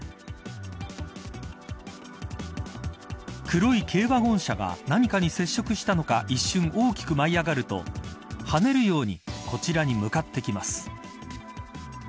黒い軽ワゴン車が何かに接触したのか一瞬、大きく舞い上がると跳ねるようにこちらに向かってきます。